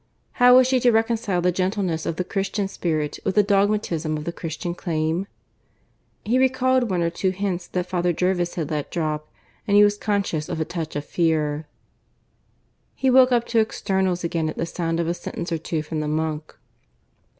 How was she to reconcile the gentleness of the Christian spirit with the dogmatism of the Christian claim? ... He recalled one or two hints that Father Jervis had let drop, and he was conscious of a touch of fear. He woke up to externals again at the sound of a sentence or two from the monk.